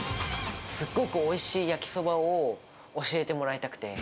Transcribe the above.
すごくおいしい焼きそばを教えてもらいたくて。